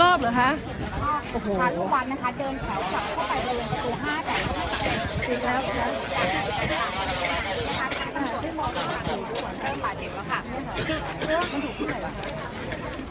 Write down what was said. ก็ไม่มีใครกลับมาเมื่อเวลาอาทิตย์เกิดขึ้น